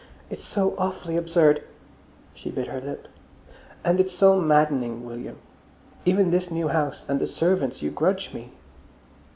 It's so awfully absurd"—she bit her lip—"and it's so maddening, William. Even this new house and the servants you grudge me."